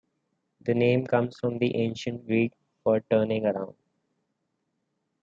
The name comes from the ancient Greek for "turning around".